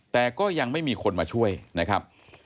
แต่ก็ยังไม่มีคนมาช่วยนะครับ